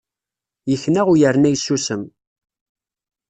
Yekna u yerna yessusem.